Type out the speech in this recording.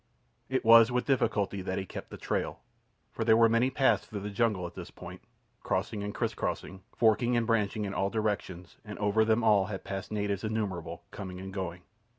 It was with difficulty that he kept the trail, for there were many paths through the jungle at this point—crossing and crisscrossing, forking and branching in all directions, and over them all had passed natives innumerable, coming and going.